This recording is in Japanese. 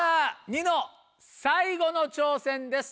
ニノ最後の挑戦です。